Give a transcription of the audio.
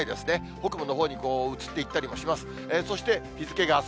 北部のほうに移っていったりもします。